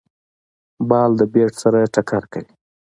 بال د بېټ سره ټکر کوي.